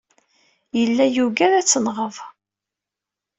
Yella yuggad ad t-tenɣeḍ.